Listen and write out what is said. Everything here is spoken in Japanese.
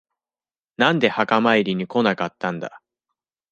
なんで墓参りに来なかったんだ。